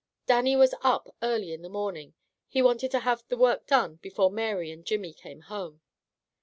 Dannie was up early in the morning. He wanted to have the work done before Mary and Jimmy came home.